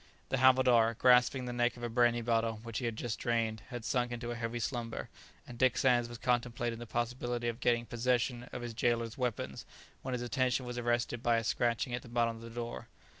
The havildar, grasping the neck of a brandy bottle which he had just drained, had sunk into a heavy slumber, and Dick Sands was contemplating the possibility of getting posssession of his gaoler's weapons when his attention was arrested by a scratching at the bottom of the door.